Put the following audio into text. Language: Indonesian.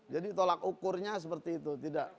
jadi tolak ukurnya seperti itu